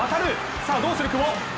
さあどうする、久保？